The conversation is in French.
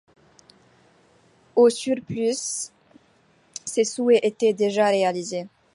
Au surplus, ces souhaits étaient déjà réalisés.